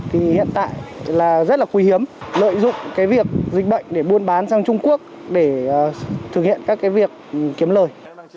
hiện tại rất là quý hiếm lợi dụng việc dịch bệnh để buôn bán sang trung quốc để thực hiện các việc kiếm lời